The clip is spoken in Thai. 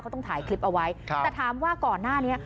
เขาต้องถ่ายคลิปเอาไว้ครับแต่ถามว่าก่อนหน้านี้